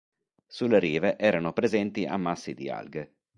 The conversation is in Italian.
Sulle rive erano presenti ammassi di alghe.